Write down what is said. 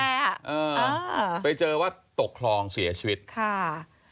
อ่าไปเจอว่าตกคลองเสียชีวิตค่ะ